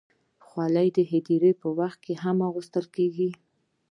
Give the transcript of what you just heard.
خولۍ د هدیرې پر وخت هم اغوستل کېږي.